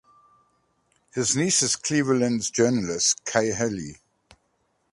His niece is Cleveland journalist Kay Halle.